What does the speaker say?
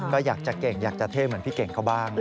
ก็อยากจะเก่งอยากจะเท่เหมือนพี่เก่งเขาบ้าง